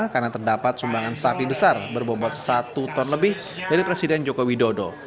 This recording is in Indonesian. karena terdapat sumbangan sapi besar berbobot satu ton lebih dari presiden joko widodo